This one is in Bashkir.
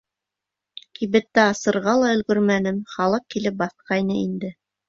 Кибетте асырға ла өлгөрмәнем, халыҡ килеп баҫҡайны инде.